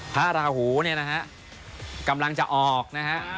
พระราหูเนี่ยนะฮะกำลังจะออกนะฮะ